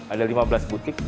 ada lima belas butik